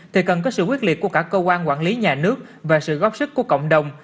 thì cần có sự quyết liệt của cả cơ quan quản lý nhà nước và sự góp sức của cộng đồng